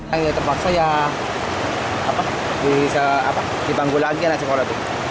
air terpaksa ya apa bisa dibanggul lagi anak sekolah tuh